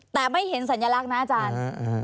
แต่ไม่เห็นสัญลักษณ์นะอาจารย์